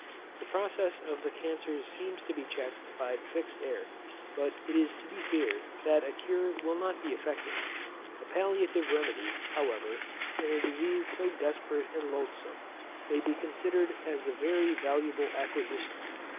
The progress of the cancers seems to be checked by the fixed air; but it is to be feared that a cure will not be effected. A palliative remedy, however, in a disease so desperate and loathsome, may be considered as a very valuable acquisition.